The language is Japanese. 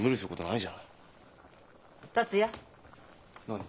何？